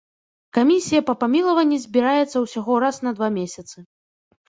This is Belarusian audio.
Камісія па памілаванні збіраецца ўсяго раз на два месяцы.